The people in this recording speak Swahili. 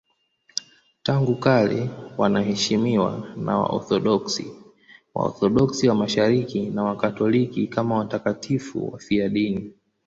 Tangu kale wanaheshimiwa na Waorthodoksi, Waorthodoksi wa Mashariki na Wakatoliki kama watakatifu wafiadini.